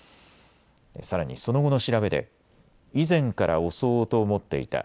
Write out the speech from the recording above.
さらにその後の調べで以前から襲おうと思っていた。